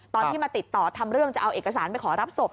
ตอนที่มาติดต่อทำเรื่องจะเอาเอกสารไปขอรับศพ